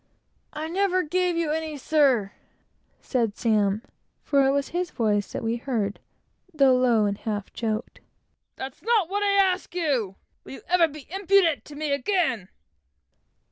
"I never gave you any, sir," said Sam; for it was his voice that we heard, though low and half choked. "That's not what I ask you. Will you ever be impudent to me again?"